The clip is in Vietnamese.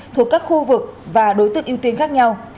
thuộc các khu vực và đối tượng ưu tiên khác nhau